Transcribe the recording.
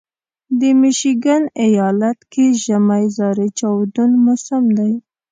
د میشیګن ایالت کې ژمی زارې چاودون موسم دی.